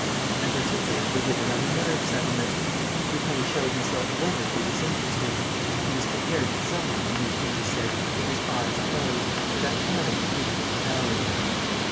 And particulars were given of the marriage settlement. Lupin showed himself wonderfully disinterested. He was prepared to sign, the newspapers said, with his eyes closed, without knowing the figure of the dowry.